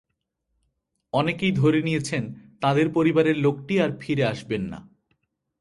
অনেকেই ধরে নিয়েছেন, তাঁদের পরিবারের লোকটি আর ফিরে আসবেন না।